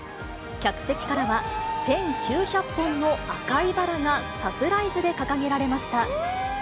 客席からは、１９００本の赤いバラがサプライズで掲げられました。